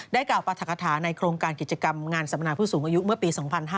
กล่าวปรัฐกฐาในโครงการกิจกรรมงานสัมมนาผู้สูงอายุเมื่อปี๒๕๕๙